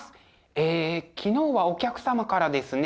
え昨日はお客様からですね